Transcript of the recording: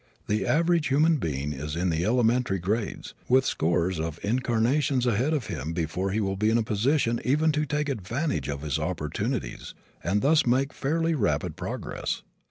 The average human being is in the elementary grades, with scores of incarnations ahead of him before he will be in a position even to take advantage of his opportunities and thus make fairly rapid progress.